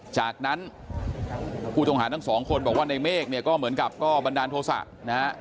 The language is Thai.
จากนั้นผู้ต้องหาทั้งสองคนบอกว่าในเมฆเนี่ยก็เหมือนกับก็บันดาลโทษะนะฮะ